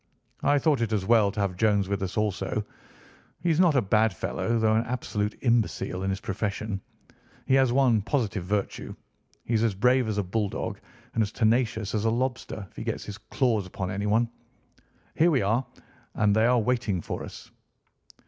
I thought it as well to have Jones with us also. He is not a bad fellow, though an absolute imbecile in his profession. He has one positive virtue. He is as brave as a bulldog and as tenacious as a lobster if he gets his claws upon anyone. Here we are, and they are waiting for us."